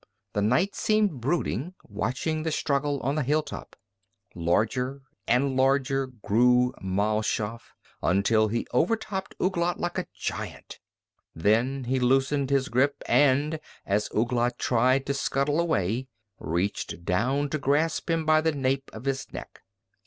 The night seemed brooding, watching the struggle on the hilltop. Larger and larger grew Mal Shaff, until he overtopped Ouglat like a giant. Then he loosened his grip and, as Ouglat tried to scuttle away, reached down to grasp him by the nape of his neck.